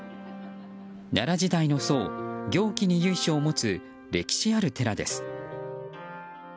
奈良時代の僧・行基に由緒を持つ歴史ある寺です。